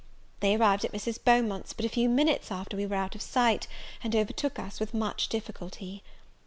They arrived at Mrs. Beaumont's but a few minutes after we were out of sight, and overtook us without much difficulty.